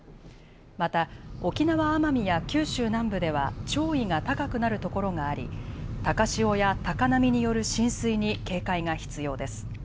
また沖縄・奄美や九州南部では潮位が高くなるところがあり高潮や高波による浸水に警戒が必要です。